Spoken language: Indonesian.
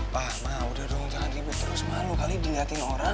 pak mah udah dong jangan ribut terus malu kali dilihatin orang